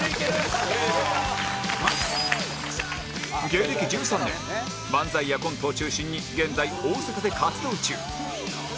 芸歴１３年漫才やコントを中心に現在大阪で活動中